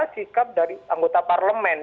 sikap dari anggota parlemen